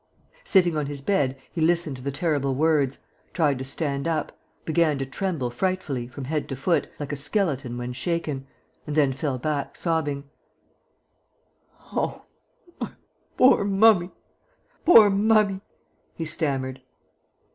Sitting on his bed, he listened to the terrible words, tried to stand up, began to tremble frightfully, from head to foot, like a skeleton when shaken, and then fell back, sobbing: "Oh, my poor mummy, poor mummy!" he stammered.